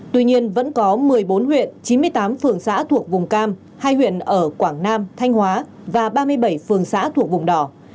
tuy nhiên vẫn có một mươi bốn huyện chín mươi tám phường xã thuộc vùng cam hai huyện ở quảng nam thanh hóa và ba mươi bảy phường xã thuộc vùng đỏ